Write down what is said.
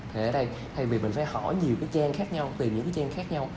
thì ở đây thay vì mình phải hỏi nhiều cái chen khác nhau tìm những cái chen khác nhau